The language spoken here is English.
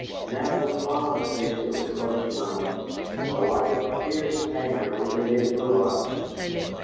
Now it was Tom's face that was close to mine, and the light of a fierce anger was in his blue eyes.